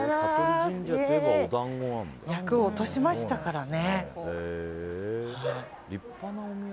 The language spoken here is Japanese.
厄を落としましたからね。